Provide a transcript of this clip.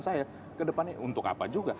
saya ke depannya untuk apa juga